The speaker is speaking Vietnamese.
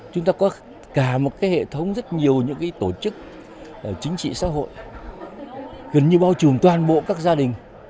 chúng ta có cả một hệ thống rất nhiều những tổ chức chính trị xã hội gần như bao trùm toàn bộ các gia đình